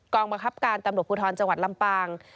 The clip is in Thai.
บังคับการตำรวจภูทรจังหวัดลำปาง